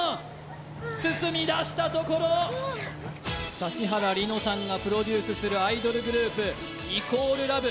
指原莉乃さんがプロデュースするアイドルグループ＝ＬＯＶＥ